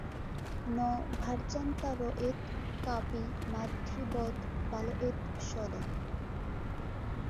ন ভার্যান্তাড়য়েৎ ক্বাপি মাতৃবৎ পালয়েৎ সদা।